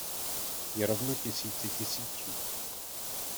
Je rovno tisíci tisíců.